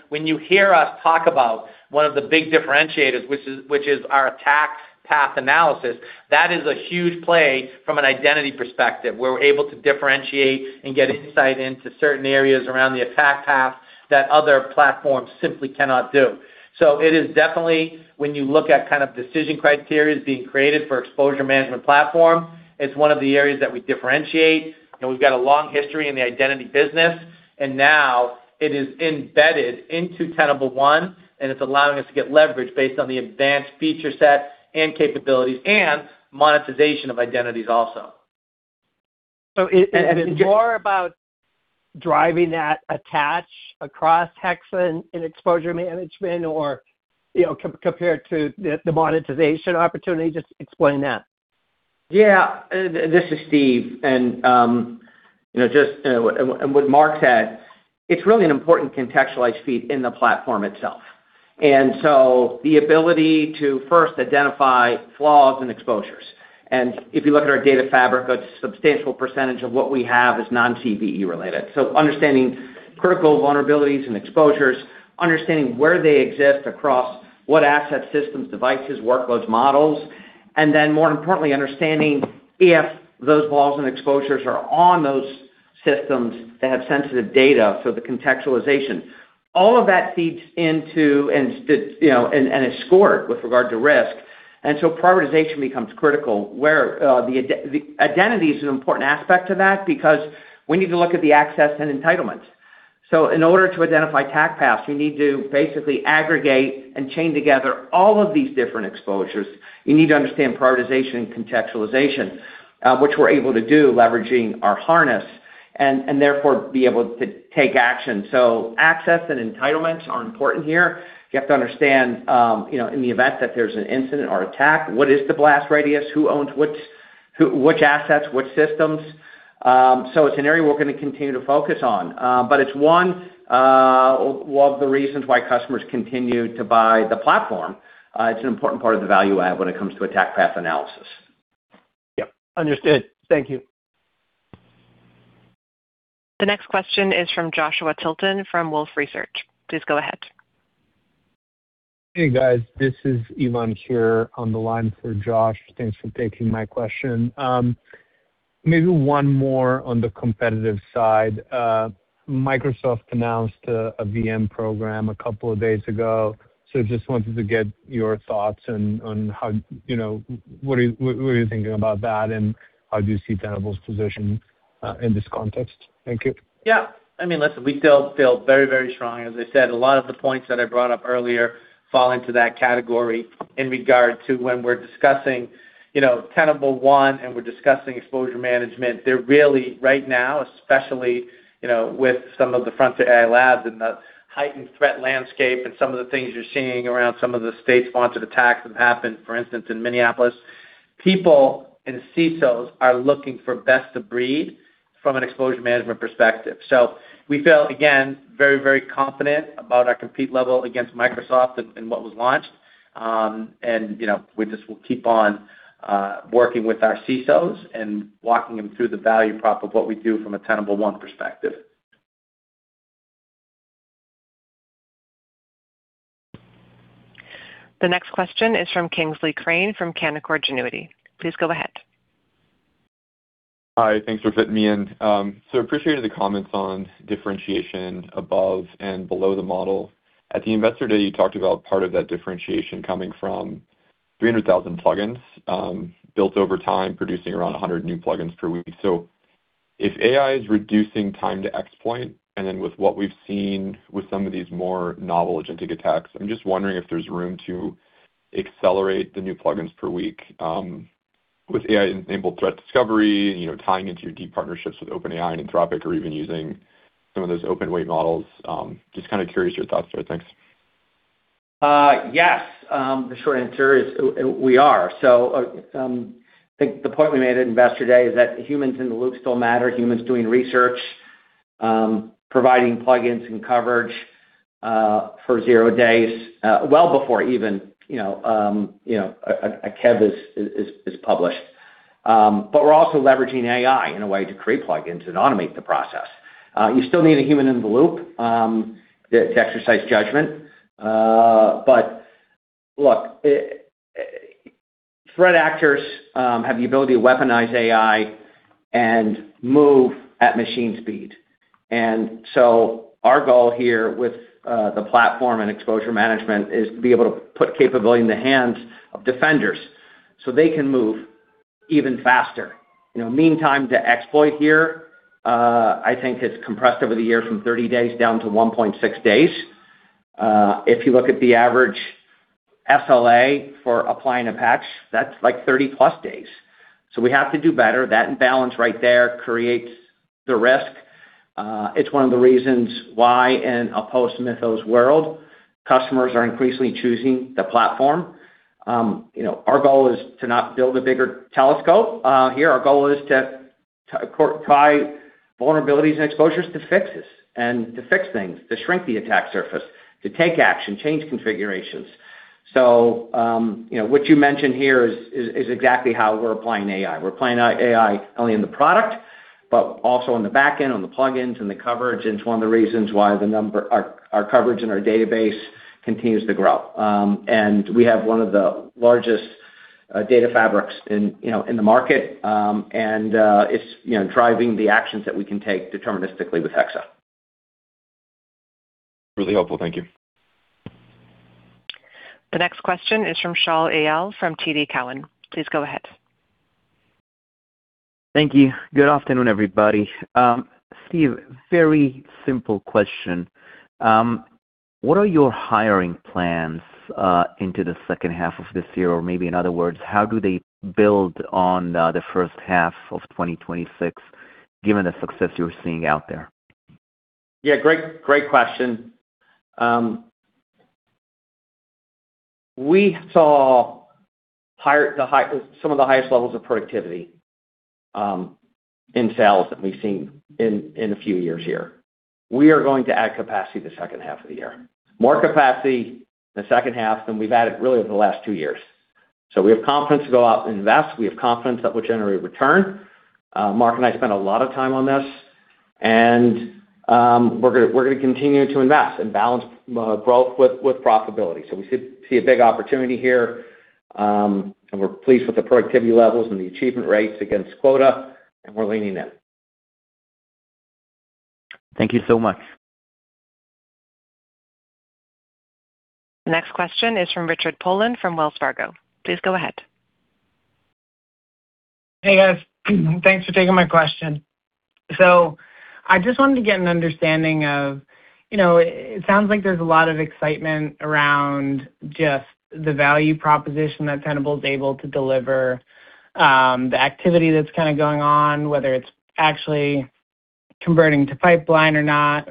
When you hear us talk about one of the big differentiators, which is our attack path analysis, that is a huge play from an identity perspective, where we're able to differentiate and get insight into certain areas around the attack path that other platforms simply cannot do. It is definitely, when you look at decision criteria being created for exposure management platform, it's one of the areas that we differentiate, we've got a long history in the identity business, now it is embedded into Tenable One. It's allowing us to get leverage based on the advanced feature set and capabilities and monetization of identities also. Is it more about driving that attach across Hexa in exposure management or compared to the monetization opportunity? Just explain that. This is Steve. What Mark said, it is really an important contextualized feed in the platform itself. The ability to first identify flaws and exposures. If you look at our data fabric, a substantial percentage of what we have is non-CVE related. Understanding critical vulnerabilities and exposures, understanding where they exist across what assets, systems, devices, workloads, models. More importantly, understanding if those flaws and exposures are on those systems that have sensitive data. The contextualization. All of that feeds into and is scored with regard to risk. Prioritization becomes critical where the identity is an important aspect to that, because we need to look at the access and entitlements. In order to identify attack paths, we need to basically aggregate and chain together all of these different exposures. You need to understand prioritization and contextualization, which we are able to do leveraging our harness, and therefore, be able to take action. Access and entitlements are important here. You have to understand, in the event that there is an incident or attack, what is the blast radius? Who owns which assets, which systems? It is an area we are going to continue to focus on. It is one of the reasons why customers continue to buy the platform. It is an important part of the value add when it comes to attack path analysis. Understood. Thank you. The next question is from Joshua Tilton from Wolfe Research. Please go ahead. Hey, guys, this is Ivan here on the line for Josh. Thanks for taking my question. Maybe one more on the competitive side. Microsoft announced a VM program a couple of days ago. Just wanted to get your thoughts on what are you thinking about that, and how do you see Tenable's position in this context. Thank you. Listen, we feel very strong. As I said, a lot of the points that I brought up earlier fall into that category in regard to when we're discussing Tenable One and we're discussing exposure management. They're really, right now, especially, with some of the frontier AI labs and the heightened threat landscape and some of the things you're seeing around some of the state-sponsored attacks that happened, for instance, in Minneapolis. People and CISOs are looking for best-of-breed from an exposure management perspective. We feel, again, very confident about our compete level against Microsoft and what was launched. We just will keep on working with our CISOs and walking them through the value prop of what we do from a Tenable One perspective. The next question is from Kingsley Crane from Canaccord Genuity. Please go ahead. Hi. Thanks for fitting me in. I appreciated the comments on differentiation above and below the model. At the Investor Day, you talked about part of that differentiation coming from 300,000 plugins, built over time, producing around 100 new plugins per week. If AI is reducing time to exploit, then with what we've seen with some of these more novel agentic attacks, I'm just wondering if there's room to accelerate the new plugins per week, with AI-enabled threat discovery, tying into your deep partnerships with OpenAI and Anthropic or even using some of those open-weight models. Just kind of curious your thoughts there. Thanks. The short answer is we are. I think the point we made at Investor Day is that humans in the loop still matter, humans doing research, providing plugins and coverage for zero days, well before even a KEV is published. We're also leveraging AI in a way to create plugins and automate the process. You still need a human in the loop to exercise judgment. Look, threat actors have the ability to weaponize AI and move at machine speed. Our goal here with the platform and exposure management is to be able to put capability in the hands of defenders so they can move even faster. Mean time to exploit here, I think has compressed over the years from 30 days down to 1.6 days. If you look at the average SLA for applying a patch, that's like 30+ days. We have to do better. That imbalance right there creates the risk. It's one of the reasons why in a post-Mythos world, customers are increasingly choosing the platform. Our goal is to not build a bigger telescope. Our goal is to tie vulnerabilities and exposures to fixes and to fix things, to shrink the attack surface, to take action, change configurations. What you mentioned here is exactly how we're applying AI. We're applying AI not only in the product, but also on the back end, on the plugins and the coverage. It's one of the reasons why our coverage in our database continues to grow. We have one of the largest data fabrics in the market, and it's driving the actions that we can take deterministically with Hexa. Really helpful. Thank you. The next question is from Shaul Eyal from TD Cowen. Please go ahead. Thank you. Good afternoon, everybody. Steve, very simple question. What are your hiring plans into the second half of this year? Maybe in other words, how do they build on the first half of 2026 given the success you're seeing out there? Great question. We saw some of the highest levels of productivity in sales that we've seen in a few years here. We are going to add capacity the second half of the year, more capacity in the second half than we've added really over the last two years. We have confidence to go out and invest. We have confidence that we'll generate return. Mark and I spent a lot of time on this, we're going to continue to invest and balance growth with profitability. We see a big opportunity here, we're pleased with the productivity levels and the achievement rates against quota, we're leaning in. Thank you so much. Next question is from Richard Poland from Wells Fargo. Please go ahead. Hey, guys. Thanks for taking my question. I just wanted to get an understanding of, it sounds like there's a lot of excitement around just the value proposition that Tenable's able to deliver, the activity that's kind of going on, whether it's actually converting to pipeline or not.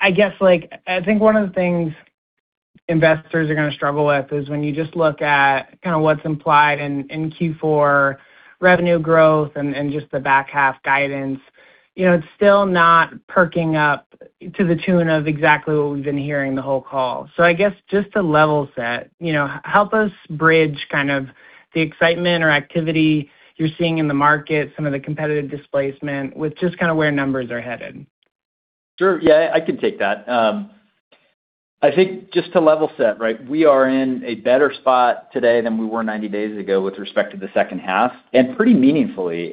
I guess, I think one of the things investors are going to struggle with is when you just look at kind of what's implied in Q4 revenue growth and just the back half guidance. It's still not perking up to the tune of exactly what we've been hearing the whole call. I guess just to level set, help us bridge kind of the excitement or activity you're seeing in the market, some of the competitive displacement with just kind of where numbers are headed. I can take that. I think just to level set, we are in a better spot today than we were 90 days ago with respect to the second half, and pretty meaningfully.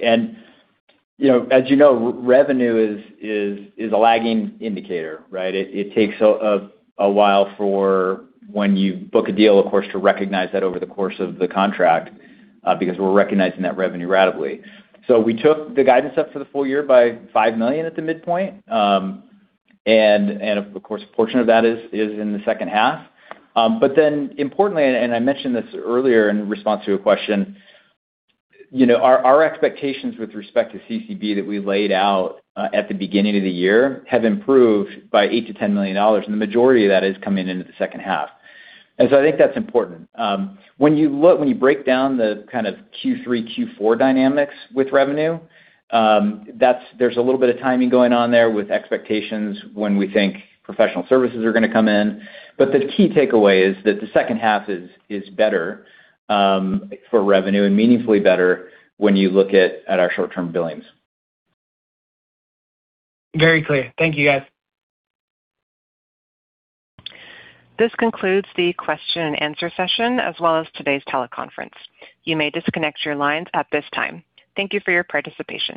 As you know, revenue is a lagging indicator. It takes a while for when you book a deal, of course, to recognize that over the course of the contract, because we're recognizing that revenue ratably. We took the guidance up for the full year by $5 million at the midpoint. Of course, a portion of that is in the second half. Importantly, and I mentioned this earlier in response to a question, our expectations with respect to CCB that we laid out at the beginning of the year have improved by $8 million-$10 million, and the majority of that is coming into the second half. I think that's important. When you break down the kind of Q3, Q4 dynamics with revenue, there's a little bit of timing going on there with expectations when we think professional services are going to come in. The key takeaway is that the second half is better for revenue and meaningfully better when you look at our short-term billings. Very clear. Thank you, guys. This concludes the question-and-answer session, as well as today's teleconference. You may disconnect your lines at this time. Thank you for your participation.